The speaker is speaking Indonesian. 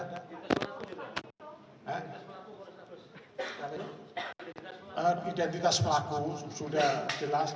identitas pelaku sudah jelas